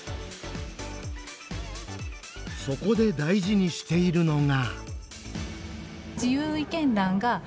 そこで大事にしているのが。